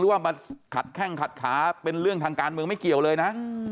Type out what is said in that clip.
ว่ามาขัดแข้งขัดขาเป็นเรื่องทางการเมืองไม่เกี่ยวเลยนะ